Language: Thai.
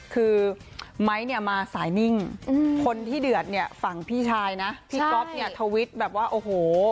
คือไมค์เนี่ยมาสายนิ่งคนที่เดือดเนี่ยฝั่งพี่ชายนะพี่ก๊อฟเนี่ยทวิตแบบว่าโอ้โห